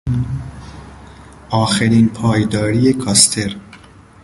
آخرین پایداری کاستر